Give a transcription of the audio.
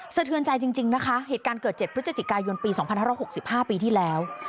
เทือนใจจริงนะคะเหตุการณ์เกิด๗พฤศจิกายนปี๒๕๖๕ปีที่แล้ว